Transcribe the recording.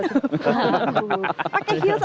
pake heels aku nggak bisa